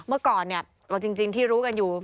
เมื่อก่อนเนี่ยเอาจริงที่รู้กันอยู่